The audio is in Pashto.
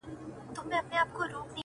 سیالي او ځان ښوودنه ونه کړو